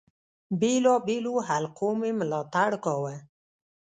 بېلو بېلو حلقو مي ملاتړ کاوه.